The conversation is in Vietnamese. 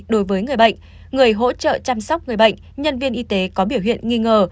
đối với người bệnh người hỗ trợ chăm sóc người bệnh nhân viên y tế có biểu hiện nghi ngờ